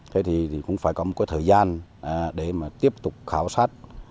thế thì cũng phải có một cái thời gian để mà tiếp tục khảo sát